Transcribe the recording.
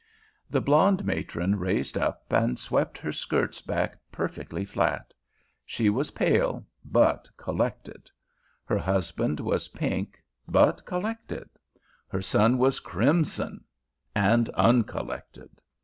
The blonde matron raised up and swept her skirts back perfectly flat. She was pale but collected. Her husband was pink but collected. Her son was crimson and uncollected.